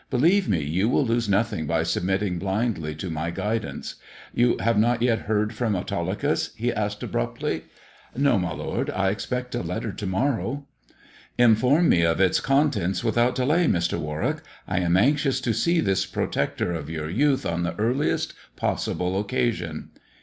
" Believe me, you will lose nothing by submitting blindly to my guidance. You have not yet heard from Autolycus 1 " he asked abruptly. " No, my lord. I expect a letter to morrow." " Inform mo of its contents without delay, Mr. Warwick. I am anxious to see this protector of your youth on the earliest possible occasion."